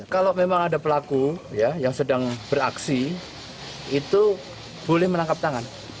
kalau memang ada pelaku yang sedang beraksi itu boleh menangkap tangan